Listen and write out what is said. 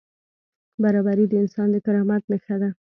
برابري د انسان د کرامت نښه ده.